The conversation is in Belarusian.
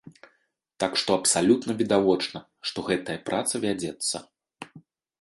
Так што абсалютна відавочна, што гэтая праца вядзецца.